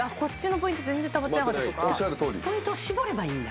ポイント絞ればいいんだ。